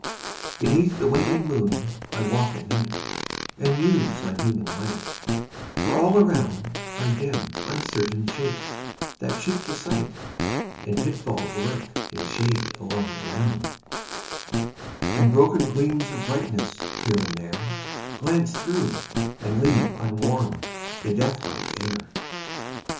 Beneath the waning moon I walk at night, And muse on human life for all around Are dim uncertain shapes that cheat the sight, And pitfalls lurk in shade along the ground, And broken gleams of brightness, here and there, Glance through, and leave unwarmed the death like air.